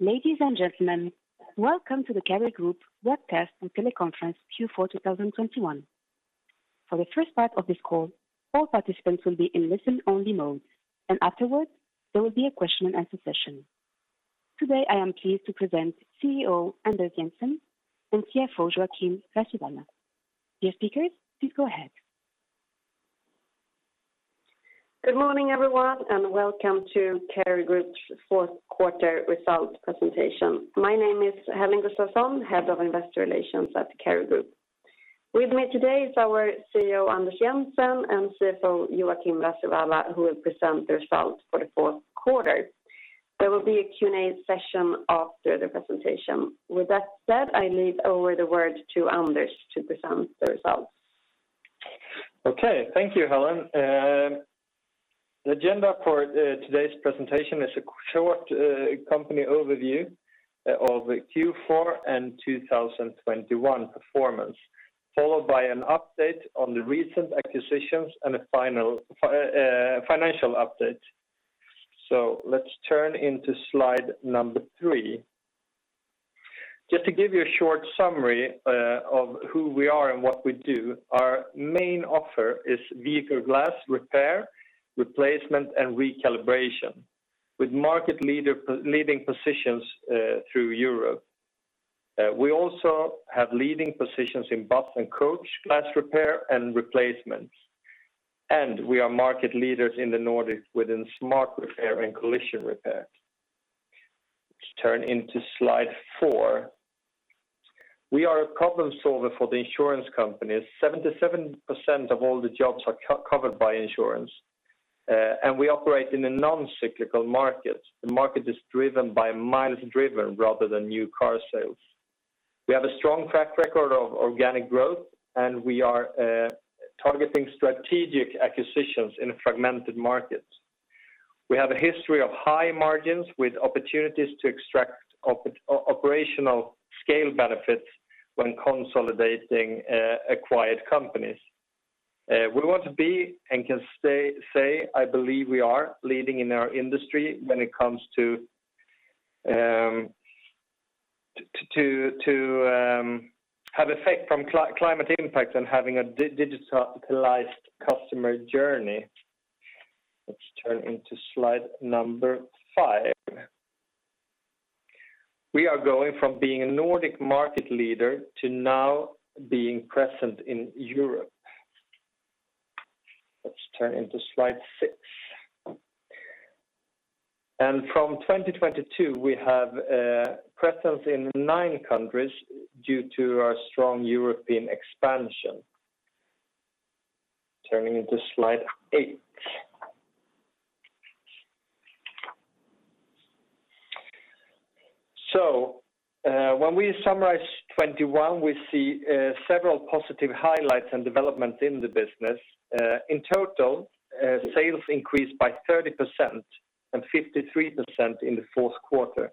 Ladies and gentlemen, welcome to the Cary Group webcast and teleconference Q4 2021. For the first part of this call, all participants will be in listen-only mode. Afterwards, there will be a question and answer session. Today, I am pleased to present CEO Anders Jensen and CFO Joakim Rasiwala. Dear speakers, please go ahead. Good morning, everyone, and welcome to Cary Group's fourth quarter results presentation. My name is Helene Gustafsson, Head of Investor Relations at Cary Group. With me today is our CEO, Anders Jensen, and CFO, Joakim Rasiwala, who will present the results for the fourth quarter. There will be a Q&A session after the presentation. With that said, I hand over the word to Anders to present the results. Okay, thank you, Helene. The agenda for today's presentation is a short company overview of Q4 and 2021 performance, followed by an update on the recent acquisitions and a final financial update. Let's turn to slide number three. Just to give you a short summary of who we are and what we do, our main offer is vehicle glass repair, replacement, and recalibration with leading positions through Europe. We also have leading positions in bus and coach glass repair and replacements. We are market leaders in the Nordic within smart repair and collision repair. Let's turn to slide four. We are a problem solver for the insurance companies. 77% of all the jobs are covered by insurance, and we operate in a non-cyclical market. The market is driven by miles driven rather than new car sales. We have a strong track record of organic growth, and we are targeting strategic acquisitions in a fragmented market. We have a history of high margins with opportunities to extract operational scale benefits when consolidating acquired companies. We want to be and can say, I believe we are leading in our industry when it comes to have effect from climate impact and having a digitalized customer journey. Let's turn into slide number five. We are going from being a Nordic market leader to now being present in Europe. Let's turn into slide six. From 2022, we have presence in nine countries due to our strong European expansion. Turning into slide eight. When we summarize 2021, we see several positive highlights and development in the business. In total, sales increased by 30% and 53% in the fourth quarter.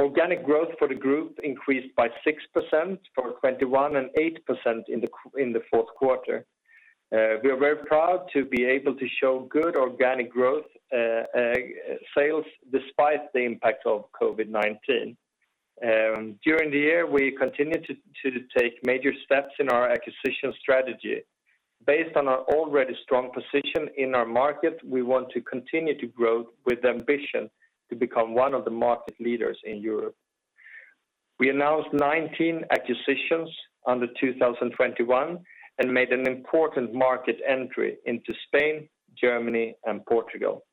Organic growth for the group increased by 6% for 2021 and 8% in the fourth quarter. We are very proud to be able to show good organic growth, sales despite the impact of COVID-19. During the year, we continued to take major steps in our acquisition strategy. Based on our already strong position in our market, we want to continue to grow with ambition to become one of the market leaders in Europe. We announced 19 acquisitions in 2021 and made an important market entry into Spain, Germany, and Portugal.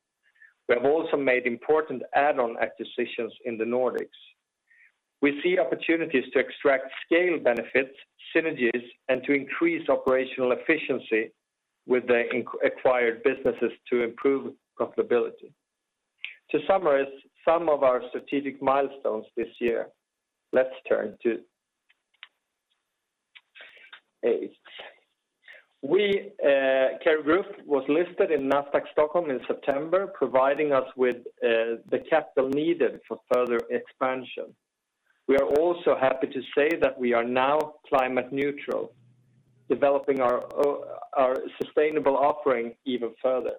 We have also made important add-on acquisitions in the Nordics. We see opportunities to extract scale benefits, synergies, and to increase operational efficiency with the acquired businesses to improve profitability. To summarize some of our strategic milestones this year, let's turn to eight. We, Cary Group was listed in Nasdaq Stockholm in September, providing us with the capital needed for further expansion. We are also happy to say that we are now climate neutral, developing our sustainable offering even further.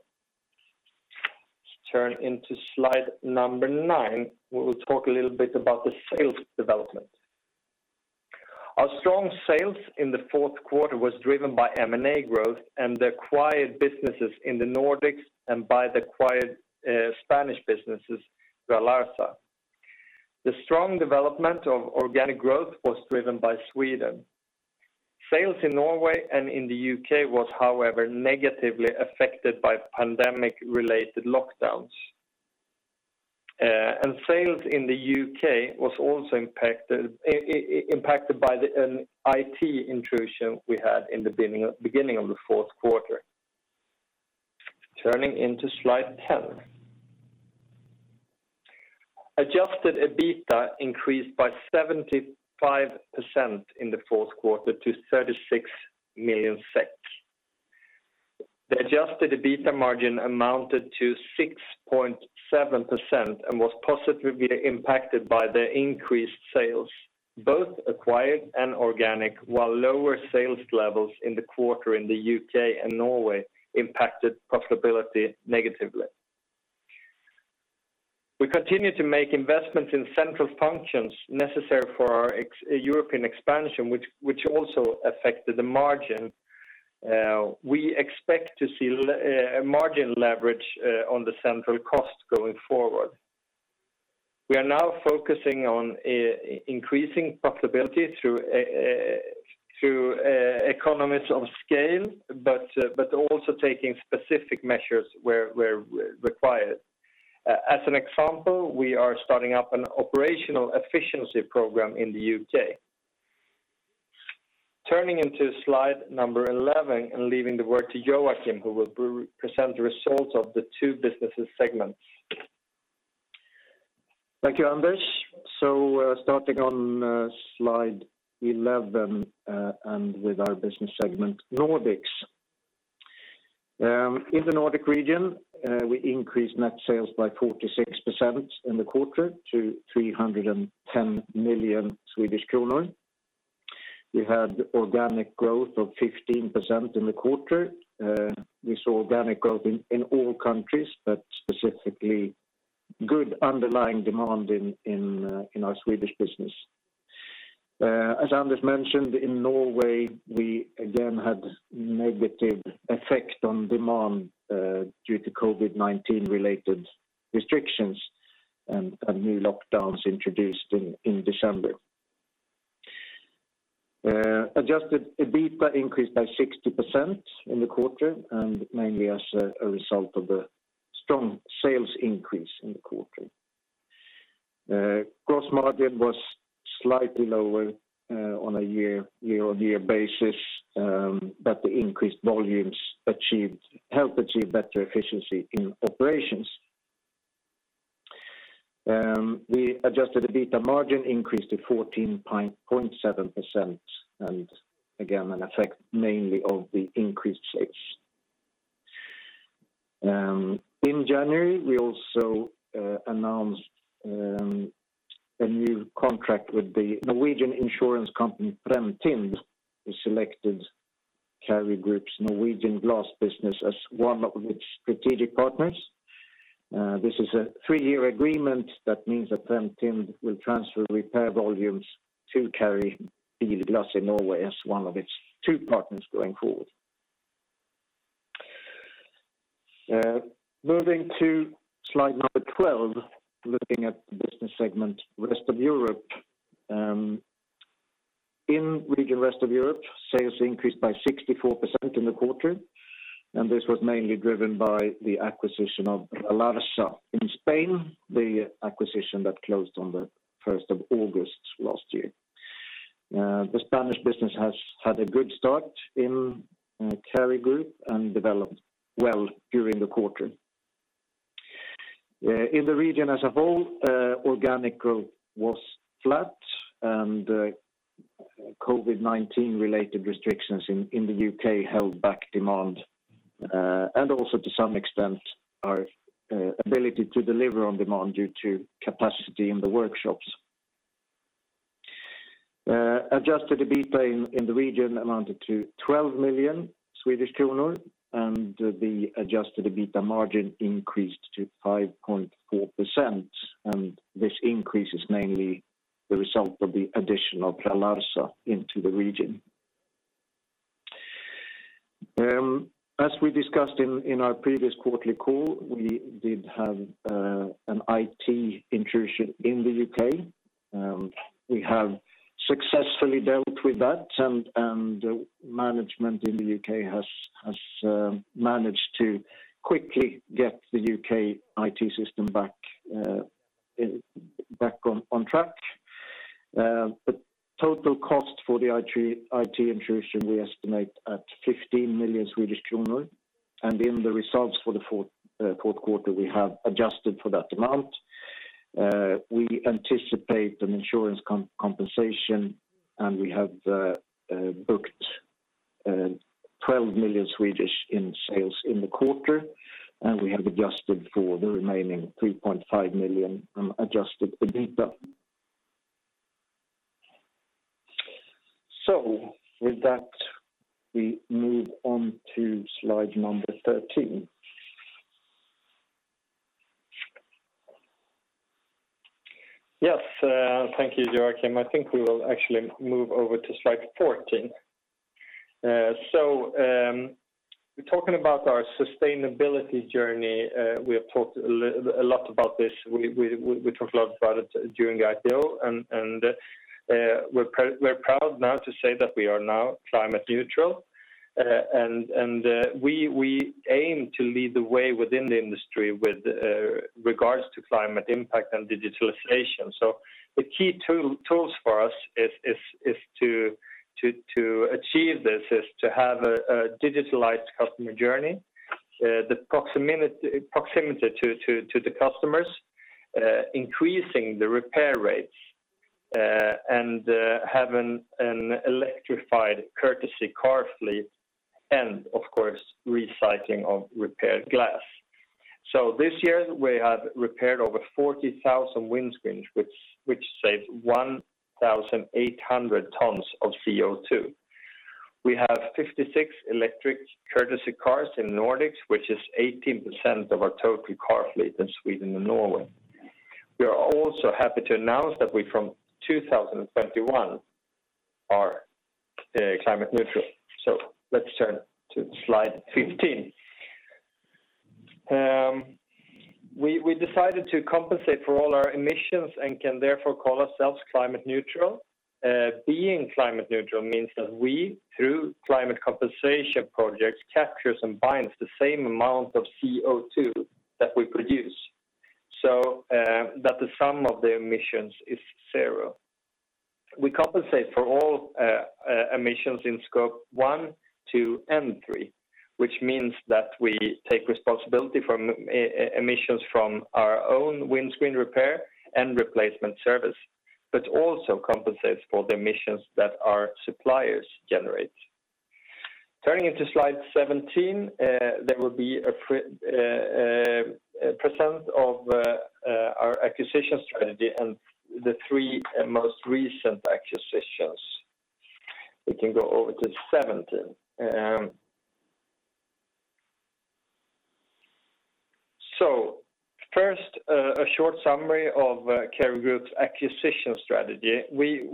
Let's turn to slide number nine. We will talk a little bit about the sales development. Our strong sales in the fourth quarter was driven by M&A growth and the acquired businesses in the Nordics and by the acquired Spanish businesses, Ralarsa. The strong development of organic growth was driven by Sweden. Sales in Norway and in the U.K. was, however, negatively affected by pandemic-related lockdowns. Sales in the U.K. was also impacted by an IT intrusion we had in the beginning of the fourth quarter. Turning to slide 10. Adjusted EBITDA increased by 75% in the fourth quarter to 36 million SEK. The Adjusted EBITDA margin amounted to 6.7% and was positively impacted by the increased sales, both acquired and organic, while lower sales levels in the quarter in the U.K. and Norway impacted profitability negatively. We continue to make investments in central functions necessary for our European expansion, which also affected the margin. We expect to see a margin leverage on the central cost going forward. We are now focusing on increasing profitability through economies of scale, but also taking specific measures where required. As an example, we are starting up an operational efficiency program in the U.K. Turning to slide number 11 and leaving the word to Joakim, who will present the results of the two business segments. Thank you, Anders. Starting on slide 11 and with our business segment Nordics. In the Nordic region, we increased net sales by 46% in the quarter to 310 million Swedish kronor. We had organic growth of 15% in the quarter. We saw organic growth in all countries, but specifically good underlying demand in our Swedish business. As Anders mentioned, in Norway, we again had negative effect on demand due to COVID-19 related restrictions and new lockdowns introduced in December. Adjusted EBITDA increased by 60% in the quarter, and mainly as a result of the strong sales increase in the quarter. Gross margin was slightly lower on a year-on-year basis, but the increased volumes achieved helped achieve better efficiency in operations. Our Adjusted EBITDA margin increased to 14.7%, and again, an effect mainly of the increased sales. In January, we also announced a new contract with the Norwegian insurance company, Fremtind, who selected Cary Group's Norwegian Glass business as one of its strategic partners. This is a three-year agreement that means that Fremtind will transfer repair volumes to Cary Bilglass in Norway as one of its two partners going forward. Moving to slide number 12, looking at the business segment, Rest of Europe. In region Rest of Europe, sales increased by 64% in the quarter, and this was mainly driven by the acquisition of Ralarsa in Spain, the acquisition that closed on the first of August last year. The Spanish business has had a good start in Cary Group and developed well during the quarter. In the region as a whole, organic growth was flat, and COVID-19 related restrictions in the U.K. held back demand, and also to some extent, our ability to deliver on demand due to capacity in the workshops. Adjusted EBITDA in the region amounted to 12 million Swedish kronor, and the Adjusted EBITDA margin increased to 5.4%, and this increase is mainly the result of the addition of Ralarsa into the region. As we discussed in our previous quarterly call, we did have an IT intrusion in the U.K., and we have successfully dealt with that, and management in the U.K. has managed to quickly get the U.K. IT system back on track. The total cost for the IT intrusion, we estimate at 15 million Swedish kronor. In the results for the fourth quarter, we have adjusted for that amount. We anticipate an insurance compensation, and we have booked 12 million in sales in the quarter, and we have adjusted for the remaining 3.5 million Adjusted EBITDA. With that, we move on to slide number 13. Yes, thank you, Joakim. I think we will actually move over to slide 14. We're talking about our sustainability journey. We have talked a lot about this. We talked a lot about it during the IPO and we're proud now to say that we are now climate neutral. We aim to lead the way within the industry with regards to climate impact and digitalization. The key tools for us is to achieve this, is to have a digitalized customer journey, the proximity to the customers, increasing the repair rates, and having an electrified courtesy car fleet, and of course, recycling of repaired glass. This year we have repaired over 40,000 windscreens, which saved 1,800 tons of CO2. We have 56 electric courtesy cars in Nordics, which is 18% of our total car fleet in Sweden and Norway. We are also happy to announce that we from 2021 are climate neutral. Let's turn to slide 15. We decided to compensate for all our emissions and can therefore call ourselves climate neutral. Being climate neutral means that we, through climate compensation projects, capture and bind the same amount of CO2 that we produce. That the sum of the emissions is zero. We compensate for all emissions in Scope 1, 2, and 3, which means that we take responsibility for emissions from our own windscreen repair and replacement service, but also compensate for the emissions that our suppliers generate. Turning to slide 17, there will be a presentation of our acquisition strategy and the three most recent acquisitions. We can go over to 17. First, a short summary of Cary Group's acquisition strategy. We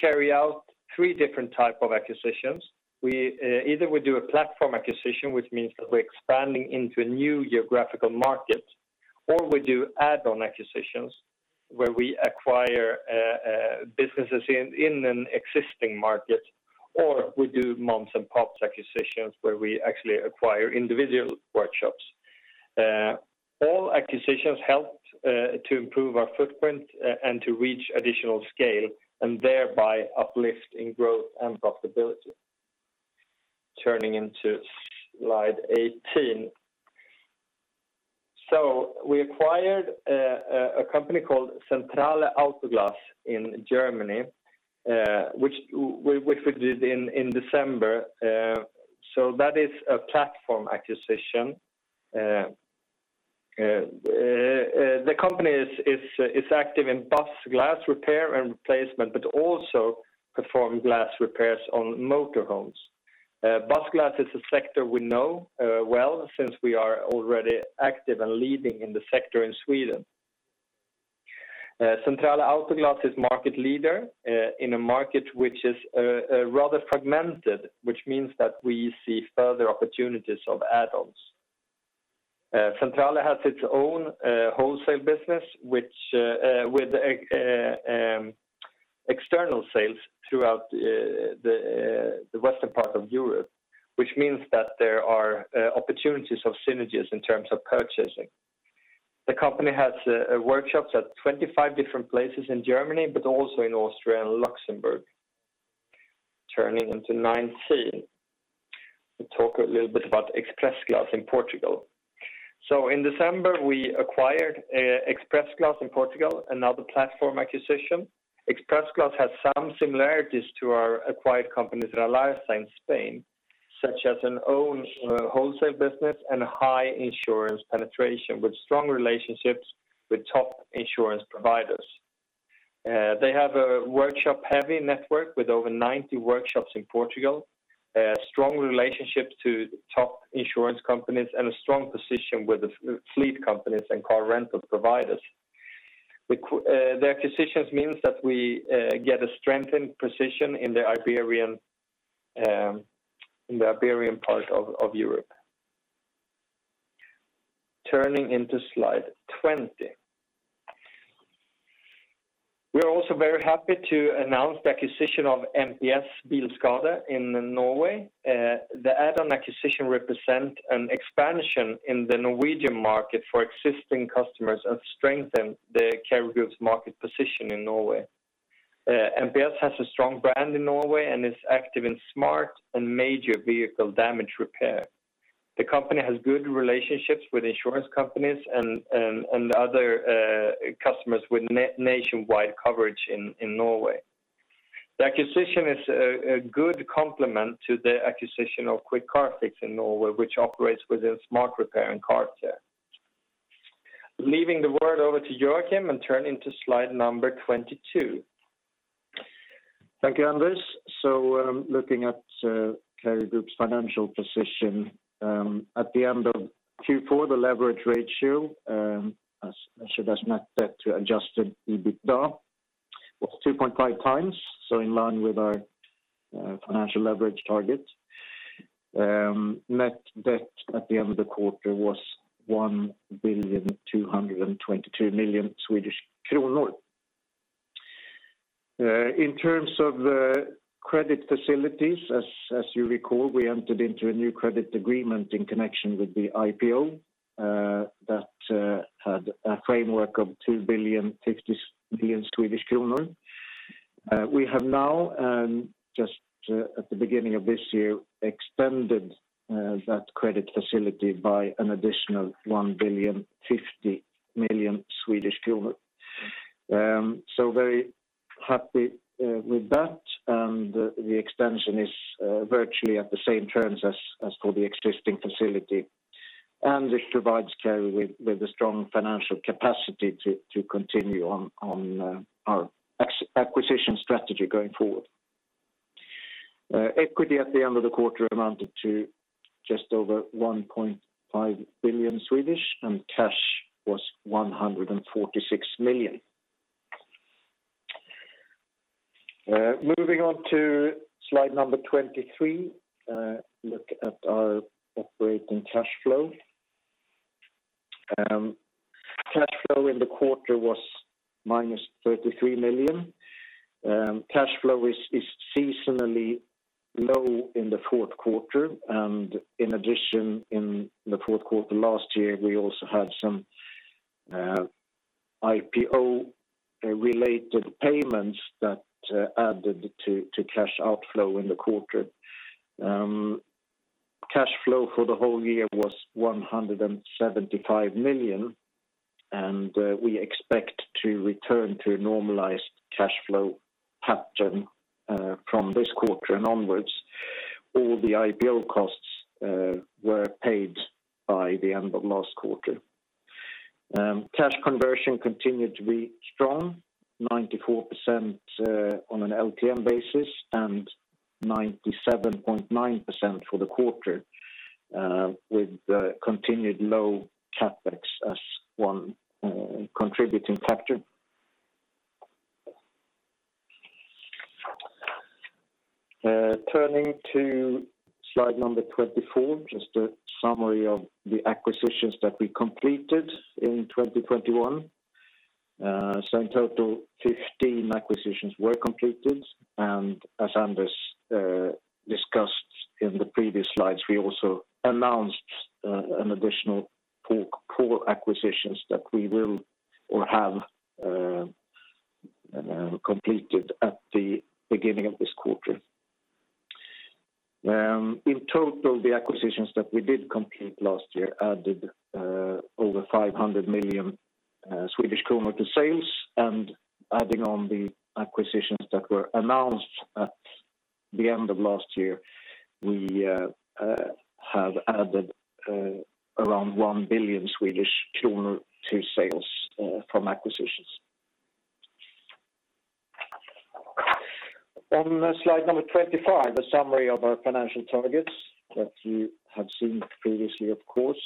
carry out three different type of acquisitions. We either we do a platform acquisition, which means that we're expanding into a new geographical market, or we do add-on acquisitions, where we acquire businesses in an existing market, or we do mom and pop acquisitions, where we actually acquire individual workshops. All acquisitions help to improve our footprint and to reach additional scale, and thereby uplift in growth and profitability. Turning to slide 18. We acquired a company called Zentrale Autoglas in Germany, which we did in December. That is a platform acquisition. The company is active in bus glass repair and replacement, but also perform glass repairs on motor homes. Bus glass is a sector we know well since we are already active and leading in the sector in Sweden. Zentrale Autoglas is market leader in a market which is rather fragmented, which means that we see further opportunities of add-ons. Zentrale has its own wholesale business, which with external sales throughout the western part of Europe, which means that there are opportunities of synergies in terms of purchasing. The company has workshops at 25 different places in Germany, but also in Austria and Luxembourg. Turning to 19. We talk a little bit about ExpressGlass in Portugal. In December, we acquired ExpressGlass in Portugal, another platform acquisition. ExpressGlass has some similarities to our acquired companies in Alianza in Spain, such as an own wholesale business and high insurance penetration with strong relationships with top insurance providers. They have a workshop-heavy network with over 90 workshops in Portugal, a strong relationship to top insurance companies and a strong position with the fleet companies and car rental providers. The acquisitions means that we get a strengthened position in the Iberian part of Europe. Turning to slide 20. We are also very happy to announce the acquisition of MPS Bilskade in Norway. The add-on acquisition represent an expansion in the Norwegian market for existing customers and strengthen the Cary Group's market position in Norway. MPS has a strong brand in Norway and is active in smart and major vehicle damage repair. The company has good relationships with insurance companies and other customers with nationwide coverage in Norway. The acquisition is a good complement to the acquisition of Quick Car Fix in Norway, which operates within smart repair and car care. Handing the word over to Joakim and turn to slide number 22. Thank you, Anders. Looking at Cary Group's financial position at the end of Q4, the leverage ratio as net debt to Adjusted EBITDA was 2.5x, so in line with our financial leverage target. Net debt at the end of the quarter was 1,222 million Swedish kronor. In terms of credit facilities, as you recall, we entered into a new credit agreement in connection with the IPO that had a framework of 2,050 million Swedish kronor. We have now just at the beginning of this year extended that credit facility by an additional 1,050 million Swedish kronor. Very happy with that. The extension is virtually at the same terms as for the existing facility. This provides Cary with a strong financial capacity to continue on our acquisition strategy going forward. Equity at the end of the quarter amounted to just over 1.5 billion, and cash was 146 million. Moving on to slide number 23, look at our operating cash flow. Cash flow in the quarter was -33 million. Cash flow is seasonally low in the fourth quarter. In addition, in the fourth quarter last year, we also had some IPO-related payments that added to cash outflow in the quarter. Cash flow for the whole year was 175 million, and we expect to return to a normalized cash flow pattern from this quarter and onwards. All the IPO costs were paid by the end of last quarter. Cash conversion continued to be strong, 94% on an LTM basis, and 97.9% for the quarter, with continued low CapEx as one contributing factor. Turning to slide 24, just a summary of the acquisitions that we completed in 2021. In total, 15 acquisitions were completed. As Anders discussed in the previous slides, we also announced an additional four acquisitions that we will or have completed at the beginning of this quarter. In total, the acquisitions that we did complete last year added over 500 million Swedish kronor to sales. Adding on the acquisitions that were announced at the end of last year, we have added around 1 billion Swedish kronor to sales from acquisitions. On slide 25, a summary of our financial targets that you have seen previously, of course.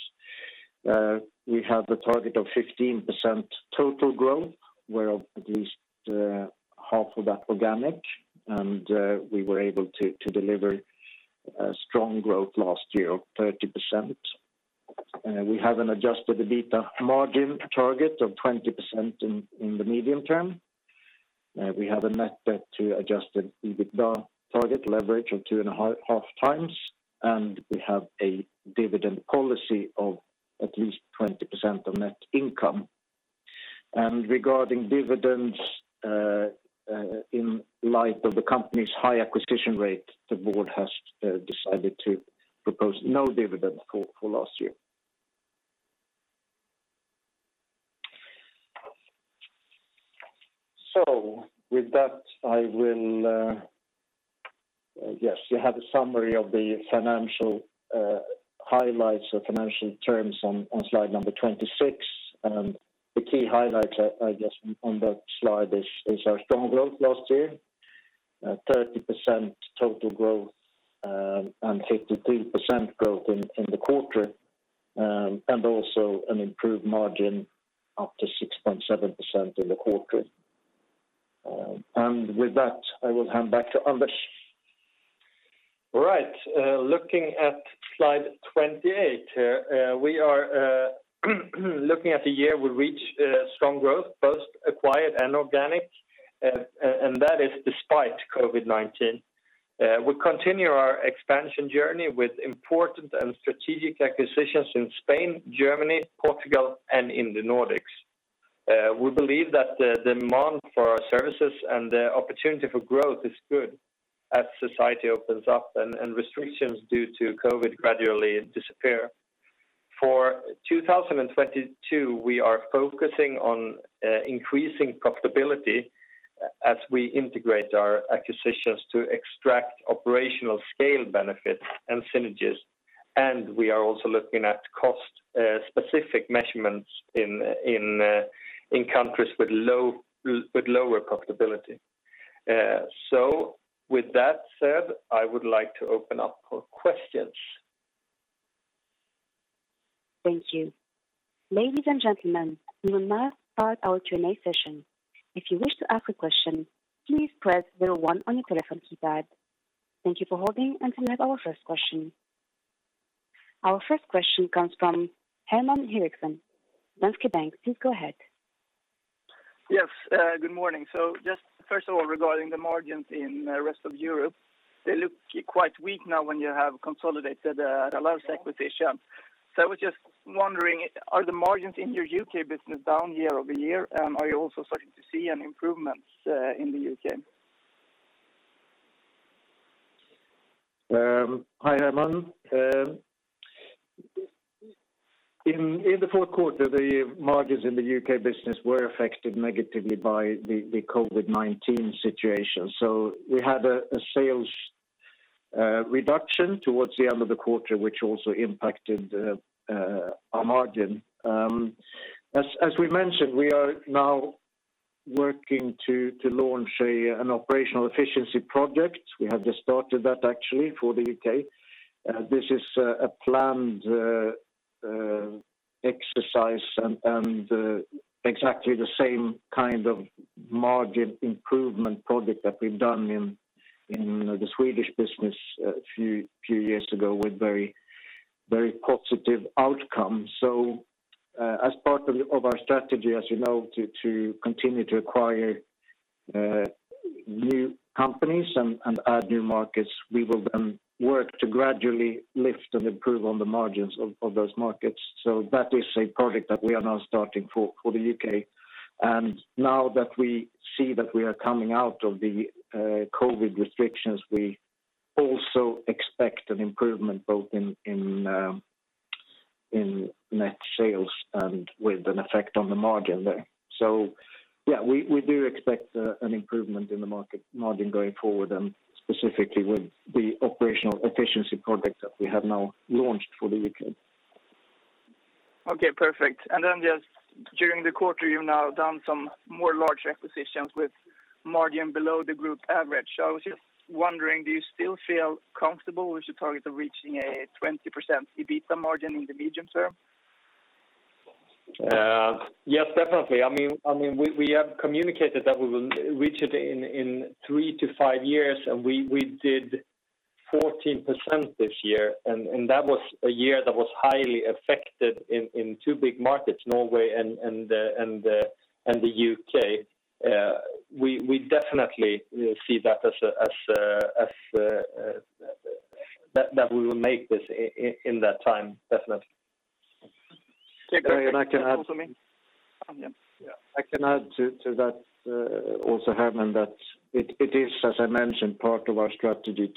We have a target of 15% total growth, where at least half of that organic, and we were able to deliver a strong growth last year of 30%. We have an Adjusted EBITDA margin target of 20% in the medium term. We have a net debt to Adjusted EBITDA target leverage of 2.5x, and we have a dividend policy of at least 20% of net income. Regarding dividends, in light of the company's high acquisition rate, the board has decided to propose no dividends for last year. With that, I will. Yes, you have a summary of the financial highlights or financial terms on slide 26. The key highlights, I guess on that slide is our strong growth last year, 30% total growth, and 53% growth in the quarter, and also an improved margin up to 6.7% in the quarter. With that, I will hand back to Anders. Right. Looking at slide 28, we are looking at the year we reached strong growth, both acquired and organic, and that is despite COVID-19. We continue our expansion journey with important and strategic acquisitions in Spain, Germany, Portugal, and in the Nordics. We believe that the demand for our services and the opportunity for growth is good as society opens up and restrictions due to COVID gradually disappear. For 2022, we are focusing on increasing profitability as we integrate our acquisitions to extract operational scale benefits and synergies. We are also looking at cost specific measurements in countries with lower profitability. With that said, I would like to open up for questions. Thank you. Ladies and gentlemen, we will now start our Q&A session. If you wish to ask a question, please press zero one on your telephone keypad. Thank you for holding until we have our first question. Our first question comes from Herman Eriksson, Danske Bank. Please go ahead. Yes, good morning. Just first of all, regarding the margins in the rest of Europe, they look quite weak now when you have consolidated the last acquisition. I was just wondering, are the margins in your U.K. business down year-over-year? And are you also starting to see an improvement in the U.K.? Hi, Herman. In the fourth quarter, the margins in the U.K. business were affected negatively by the COVID-19 situation. We had a sales reduction towards the end of the quarter, which also impacted our margin. As we mentioned, we are now working to launch an operational efficiency project. We have just started that actually for the U.K. This is a planned exercise and exactly the same kind of margin improvement project that we've done in the Swedish business a few years ago with very positive outcomes. As part of our strategy, as you know, to continue to acquire new companies and add new markets, we will then work to gradually lift and improve on the margins of those markets. That is a project that we are now starting for the U.K. Now that we see that we are coming out of the COVID restrictions, we also expect an improvement both in net sales and with an effect on the margin there. Yeah, we do expect an improvement in the market margin going forward and specifically with the operational efficiency projects that we have now launched for the U.K. Okay. Perfect. Just during the quarter, you've now done some more large acquisitions with margin below the group average. I was just wondering, do you still feel comfortable with your target of reaching a 20% EBITA margin in the medium term? Yes, definitely. I mean, we have communicated that we will reach it in three to five years, and we did 14% this year. That was a year that was highly affected in two big markets, Norway and the U.K. We definitely see that we will make this in that time, definitely. Okay, great. I can add something. Yeah. I can add to that, also Herman, that it is, as I mentioned, part of our strategy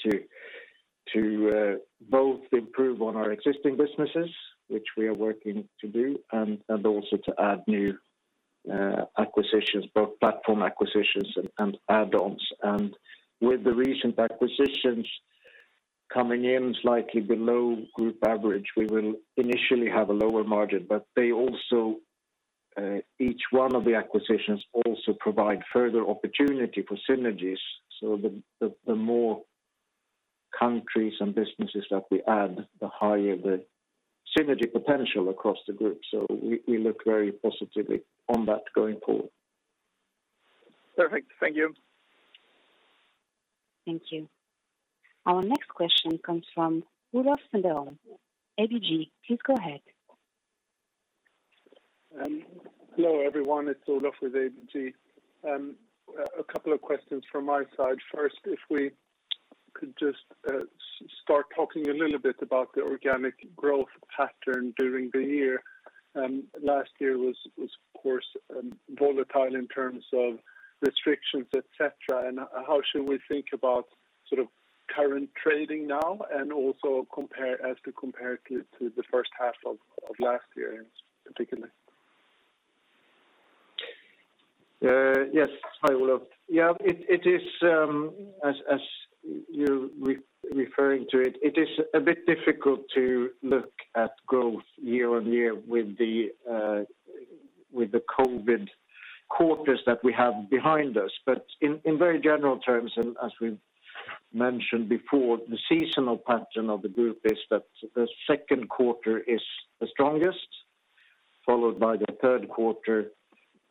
to both improve on our existing businesses, which we are working to do, and also to add new acquisitions, both platform acquisitions and add-ons. With the recent acquisitions coming in slightly below group average, we will initially have a lower margin. They also, each one of the acquisitions also provide further opportunity for synergies. The more countries and businesses that we add, the higher the synergy potential across the group. We look very positively on that going forward. Perfect. Thank you. Thank you. Our next question comes from Olof Cederholm, ABG. Please go ahead. Hello everyone. It's Olof with ABG. A couple of questions from my side. First, if we could just start talking a little bit about the organic growth pattern during the year. Last year was of course volatile in terms of restrictions, etc., and how should we think about sort of current trading now and also compare to the first half of last year in particular? Yes. Hi, Olof. Yeah, it is as you're referring to it a bit difficult to look at growth year-over-year with the COVID quarters that we have behind us. In very general terms, and as we mentioned before, the seasonal pattern of the group is that the second quarter is the strongest, followed by the third quarter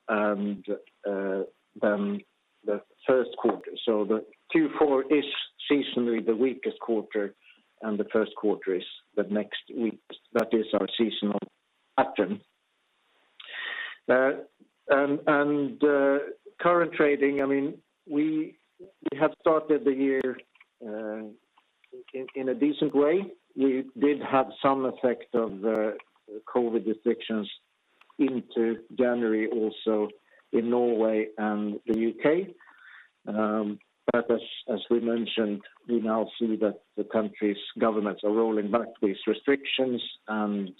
and then the first quarter. The Q4 is seasonally the weakest quarter, and the first quarter is the next weakest. That is our seasonal pattern. Current trading, I mean, we have started the year in a decent way. We did have some effect of the COVID restrictions into January also in Norway and the U.K. As we mentioned, we now see that the countries' governments are rolling back these restrictions and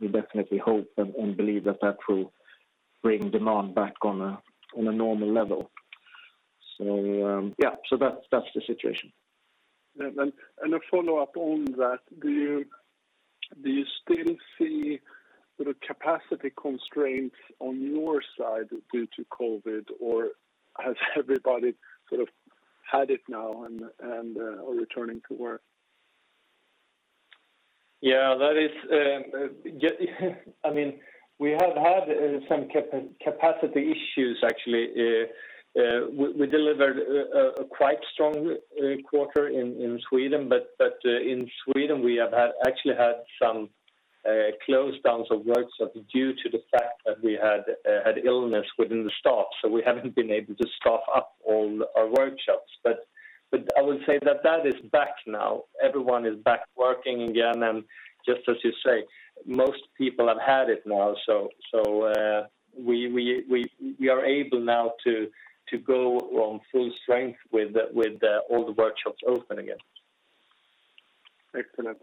we definitely hope and believe that will bring demand back on a normal level. That's the situation. A follow-up on that, do you still see sort of capacity constraints on your side due to COVID, or has everybody sort of had it now and are returning to work? Yeah. That is, I mean, we have had some capacity issues actually. We delivered a quite strong quarter in Sweden, but in Sweden, we have had actually some closures of workshops due to the fact that we had illness within the staff. So we haven't been able to staff up all our workshops. But I would say that is back now. Everyone is back working again. Just as you say, most people have had it now, so we are able now to go on full strength with all the workshops open again. Excellent.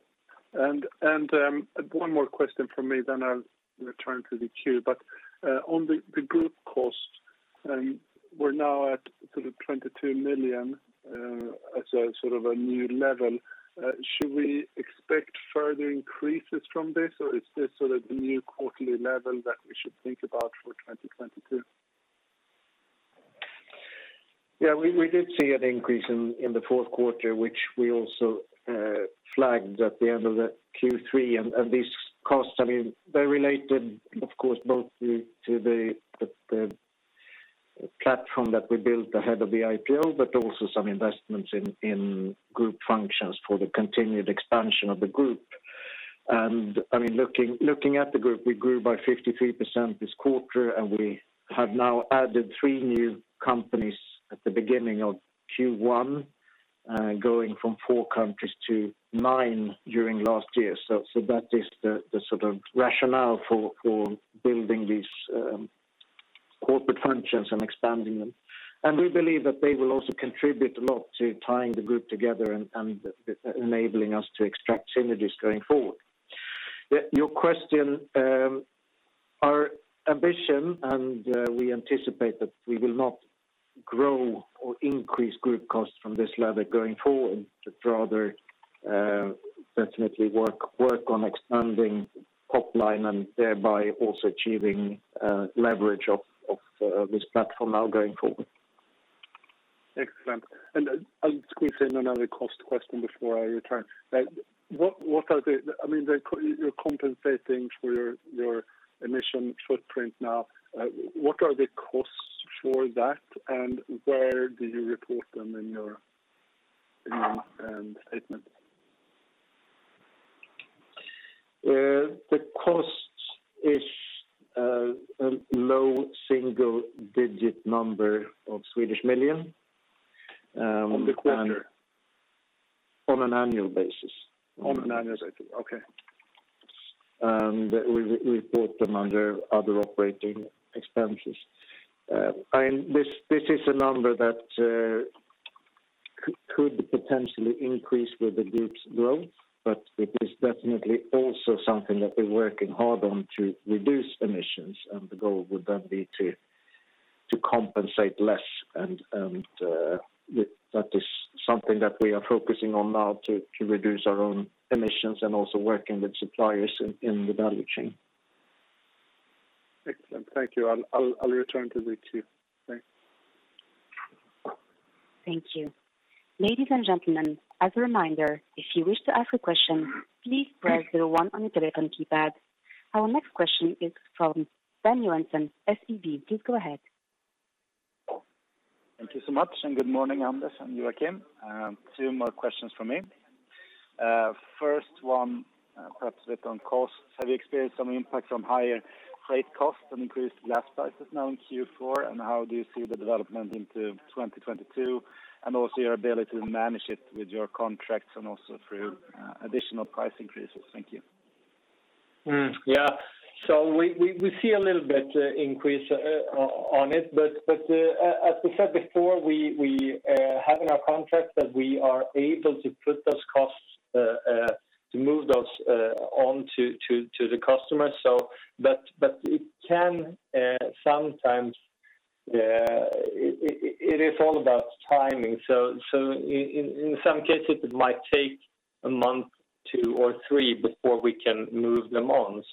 One more question from me then I'll return to the queue. On the group cost, we're now at sort of 22 million as a sort of a new level. Should we expect further increases from this? Or is this sort of the new quarterly level that we should think about for 2022? Yeah, we did see an increase in the fourth quarter, which we also flagged at the end of the Q3. These costs, I mean, they're related, of course, both to the platform that we built ahead of the IPO, but also some investments in group functions for the continued expansion of the group. I mean, looking at the group, we grew by 53% this quarter, and we have now added three new companies at the beginning of Q1, going from four countries to nine during last year. That is the sort of rationale for building these corporate functions and expanding them. We believe that they will also contribute a lot to tying the group together and enabling us to extract synergies going forward. Yeah, your question, our ambition and we anticipate that we will not grow or increase group costs from this level going forward, but rather, definitely work on expanding top line and thereby also achieving leverage of this platform now going forward. Excellent. I'll squeeze in another cost question before I return. I mean, you're compensating for your emission footprint now. What are the costs for that and where do you report them in your statement? The cost is a low single-digit number of Swedish million. On the quarter? On an annual basis. On an annual basis. Okay. We report them under other operating expenses. This is a number that could potentially increase with the group's growth, but it is definitely also something that we're working hard on to reduce emissions, and the goal would then be to compensate less. That is something that we are focusing on now to reduce our own emissions and also working with suppliers in the value chain. Excellent. Thank you. I'll return to the queue. Thanks. Thank you. Ladies and gentlemen, as a reminder, if you wish to ask a question, please press zero one on your telephone keypad. Our next question is from Dan Johansson, SEB. Please go ahead. Thank you so much, and good morning, Anders and Joakim. Two more questions from me. First one, perhaps a bit on costs. Have you experienced some impact from higher freight costs and increased gas prices now in Q4? How do you see the development into 2022, and also your ability to manage it with your contracts and also through additional price increases? Thank you. We see a little bit increase on it. But as we said before, we have in our contracts that we are able to pass those costs on to the customer. But it can sometimes it is all about timing. In some cases it might take a month, two or three before we can move them on.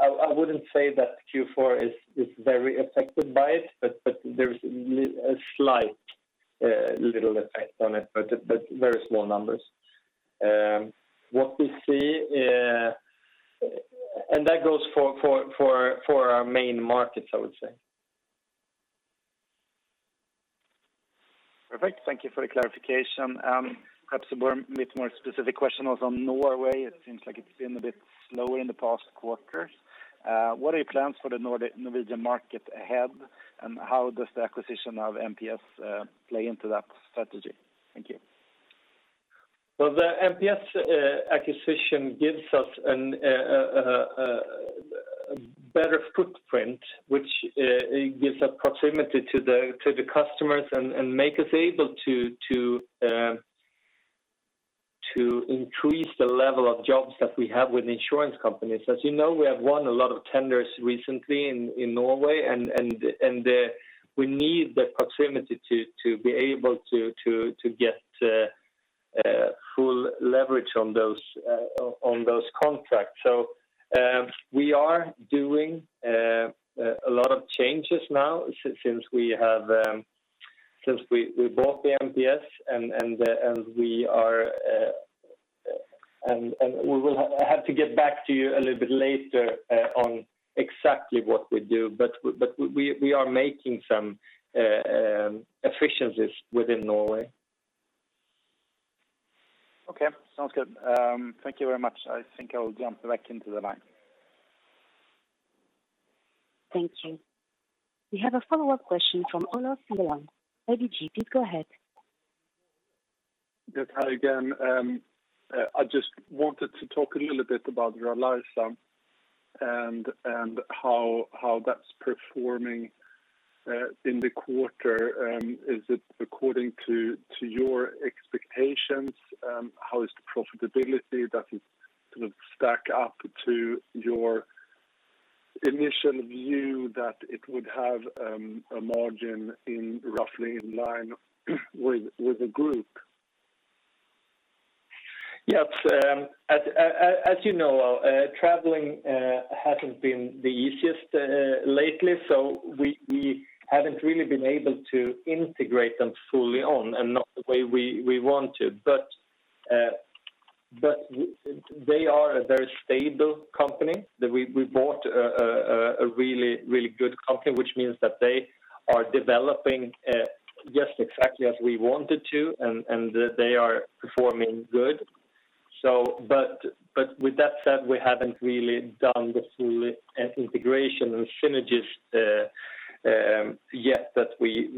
I wouldn't say that Q4 is very affected by it, but there's a slight little effect on it, but very small numbers. What we see. That goes for our main markets, I would say. Perfect. Thank you for the clarification. Perhaps a bit more specific question was on Norway. It seems like it's been a bit slower in the past quarter. What are your plans for the Norwegian market ahead, and how does the acquisition of MPS play into that strategy? Thank you. Well, the MPS acquisition gives us a better footprint, which gives a proximity to the customers and make us able to increase the level of jobs that we have with insurance companies. As you know, we have won a lot of tenders recently in Norway and we need the proximity to be able to get full leverage on those contracts. We are doing a lot of changes now since we bought the MPS and we will have to get back to you a little bit later on exactly what we do. We are making some efficiencies within Norway. Okay. Sounds good. Thank you very much. I think I'll jump back into the line. Thank you. We have a follow-up question from Olof Cederholm, ABG. Please go ahead. Yes. Hi again. I just wanted to talk a little bit about the Alianza, and how that's performing in the quarter. Is it according to your expectations? How is the profitability that is sort of stack up to your initial view that it would have a margin roughly in line with the group? Yes. As you know, traveling hasn't been the easiest lately, so we haven't really been able to integrate them fully and not the way we wanted. They are a very stable company that we bought, a really good company, which means that they are developing just exactly as we wanted to, and they are performing good. With that said, we haven't really done the full integration and synergies yet that we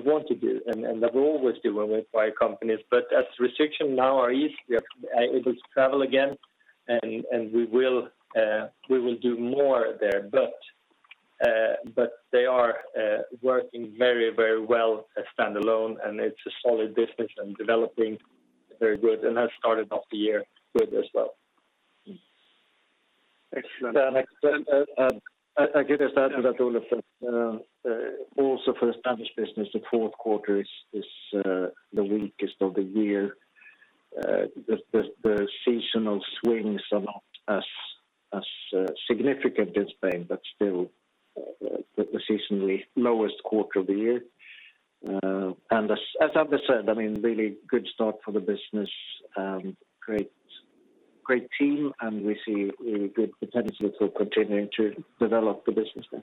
want to do and that we always do when we acquire companies. As restrictions now are eased, we are able to travel again and we will do more there. They are working very, very well standalone, and it's a solid business and developing very good and have started off the year good as well. Excellent. I guess that all of us also for the established business, the fourth quarter is the weakest of the year. The seasonal swings are not as significant in Spain, but still the seasonally lowest quarter of the year. As Anders said, I mean, really good start for the business, great team, and we see really good potential for continuing to develop the business there.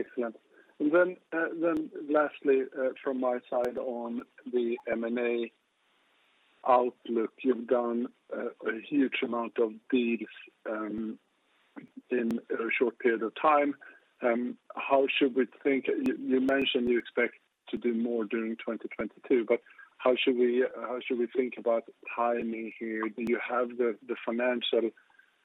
Excellent. Lastly, from my side on the M&A outlook, you've done a huge amount of deals in a short period of time. How should we think? You mentioned you expect to do more during 2022, but how should we think about timing here? Do you have the financial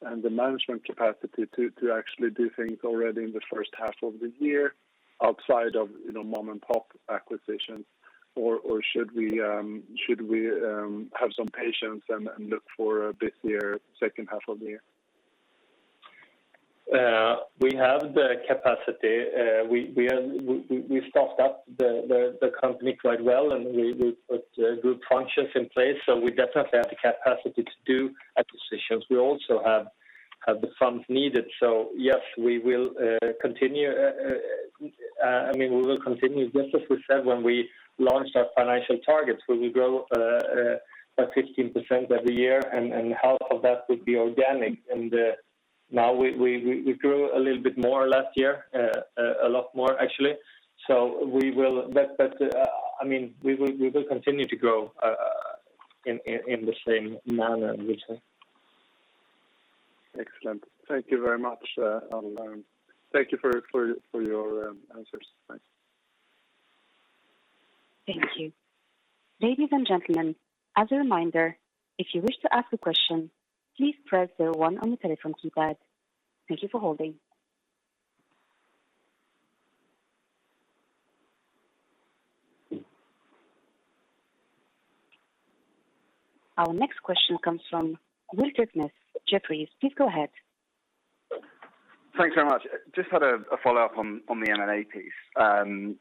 and the management capacity to actually do things already in the first half of the year outside of, you know, mom-and-pop acquisitions? Or should we have some patience and look for a busier second half of the year? We have the capacity. We stocked up the company quite well, and we put good functions in place, so we definitely have the capacity to do acquisitions. We also have the funds needed. Yes, we will continue. I mean, we will continue just as we said when we launched our financial targets. We will grow by 15% every year and half of that would be organic. Now we grew a little bit more last year, a lot more actually. I mean, we will continue to grow in the same manner, we say. Excellent. Thank you very much. Thank you for your answers. Thanks. Thank you. Ladies and gentlemen, as a reminder, if you wish to ask a question, please press zero one on your telephone keypad. Our next question comes from Will Kirkness, Jefferies. Please go ahead. Thanks very much. I just had a follow-up on the M&A piece.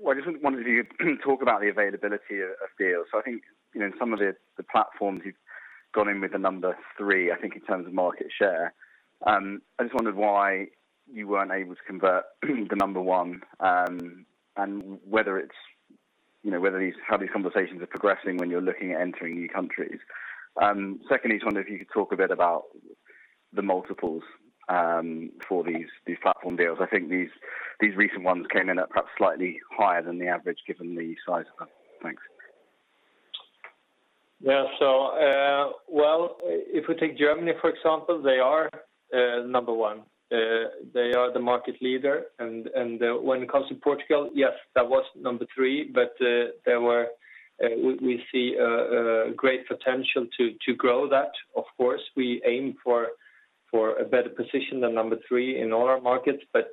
Well, I just wanted you to talk about the availability of deals. I think, you know, some of the platforms you've gone in with are number three, I think, in terms of market share. I just wondered why you weren't able to convert the number one, and whether, you know, how these conversations are progressing when you're looking at entering new countries. Secondly, I just wonder if you could talk a bit about the multiples for these platform deals. I think these recent ones came in at perhaps slightly higher than the average given the size of them. Thanks. Yeah. Will, if we take Germany, for example, they are number one. They are the market leader. When it comes to Portugal, yes, that was number three. We see a great potential to grow that. Of course, we aim for a better position than number three in all our markets. But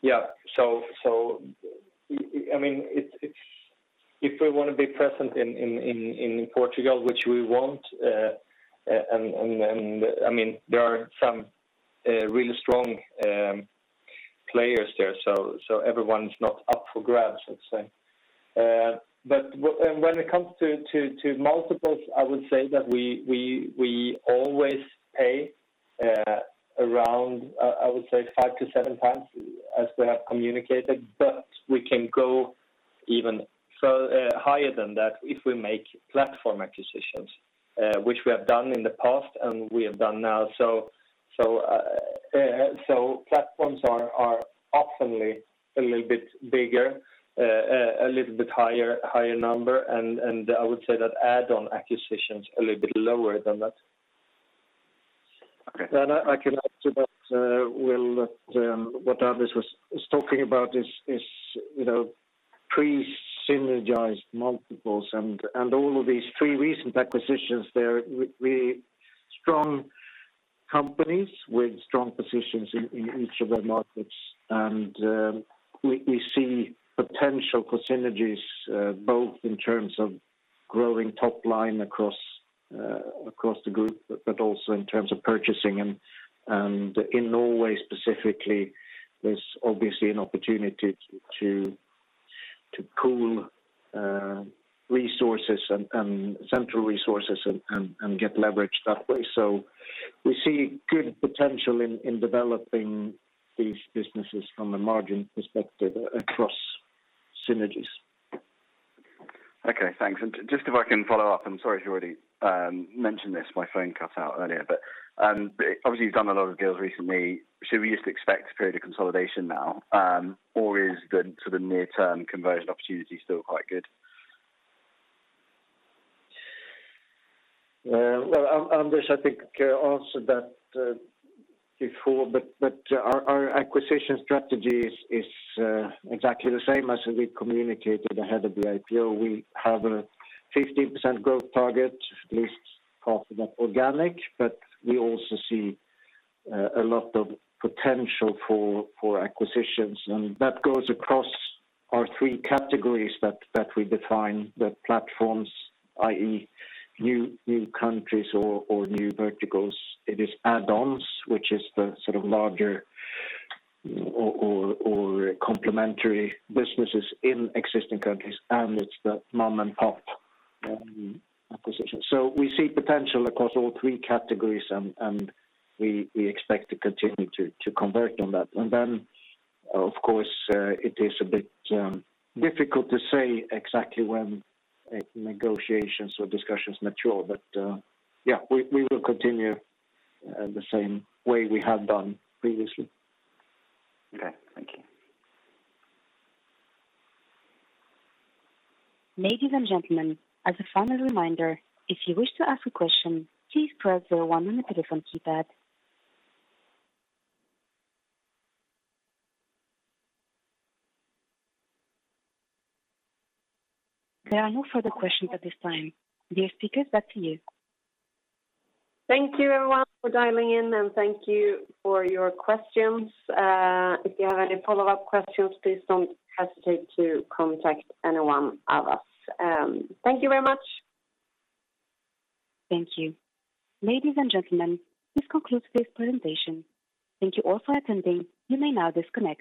yeah. I mean, if we want to be present in Portugal, which we want, and I mean, there are some really strong players there, so everyone's not up for grabs, let's say. When it comes to multiples, I would say that we always pay around 5x-7x as we have communicated, but we can go even higher than that if we make platform acquisitions, which we have done in the past and we have done now. Platforms are often a little bit bigger, a little bit higher number. I would say that add-on acquisitions a little bit lower than that. I can add to that, Will, that what Anders was talking about is, you know, pre-synergized multiples and all of these three recent acquisitions. They're really strong companies with strong positions in each of their markets. We see potential for synergies both in terms of growing top line across the group, but also in terms of purchasing. In Norway specifically, there's obviously an opportunity to pool resources and central resources and get leverage that way. We see good potential in developing these businesses from a margin perspective across synergies. Okay, thanks. Just if I can follow up, I'm sorry if you already mentioned this. My phone cut out earlier. Obviously you've done a lot of deals recently. Should we just expect a period of consolidation now, or is the sort of near-term conversion opportunity still quite good? Well, Anders I think answered that before. Our acquisition strategy is exactly the same as we communicated ahead of the IPO. We have a 15% growth target, at least half of that organic, but we also see a lot of potential for acquisitions. That goes across our three categories that we define the platforms, i.e., new countries or new verticals. It is add-ons, which is the sort of larger or complementary businesses in existing countries, and it's the mom-and-pop acquisitions. We see potential across all three categories and we expect to continue to convert on that. Of course, it is a bit difficult to say exactly when negotiations or discussions mature. Yeah, we will continue the same way we have done previously. Okay, thank you. Ladies and gentlemen, as a final reminder, if you wish to ask a question, please press zero one on the telephone keypad. There are no further questions at this time. Dear speakers, back to you. Thank you everyone for dialing in, and thank you for your questions. If you have any follow-up questions, please don't hesitate to contact anyone of us. Thank you very much. Thank you. Ladies and gentlemen, this concludes this presentation. Thank you all for attending. You may now disconnect.